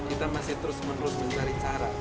kita masih terus menerus mencari cara